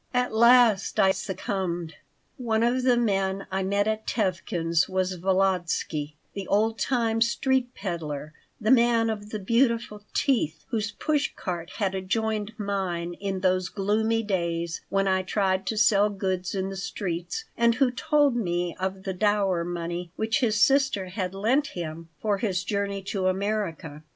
At last I succumbed One of the men I met at Tevkin's was Volodsky, the old time street peddler, the man of the beautiful teeth whose push cart had adjoined mine in those gloomy days when I tried to sell goods in the streets, and who had told me of the dower money which his sister had lent him for his journey to America.